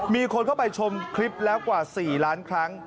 มีคนเข้าไปชมคลิปแล้วกว่า๔ล้านครั้ง